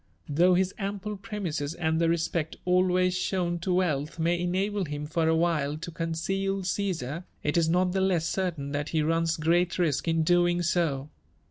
Though his ample premises and the respect always shown to wealth may enable him for a while to conceal Csesar, it is not the less certain that he runs great risk in doing so.